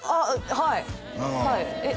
はいはいえっ